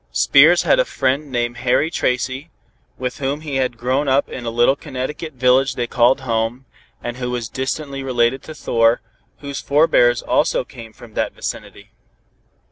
Spears had a friend named Harry Tracy, with whom he had grown up in the little Connecticut village they called home, and who was distantly related to Thor, whose forebears also came from that vicinity.